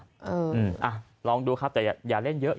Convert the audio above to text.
อ่ะลองดูครับแต่อย่าเล่นเยอะ